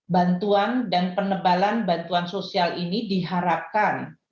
bantuan dan penebalan bantuan sosial ini diharapkan